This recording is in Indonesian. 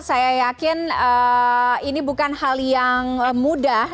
saya yakin ini bukan hal yang mudah